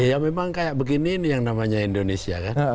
ya memang kayak begini yang namanya indonesia